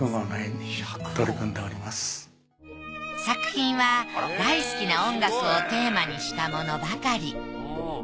作品は大好きな音楽をテーマにしたものばかり。